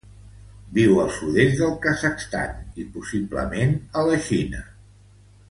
Viu al sud-est del Kazakhstan i possiblement a la Xina.